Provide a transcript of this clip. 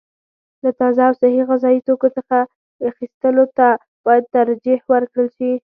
له تازه او صحي غذايي توکو څخه اخیستلو ته باید ترجیح ورکړل شي.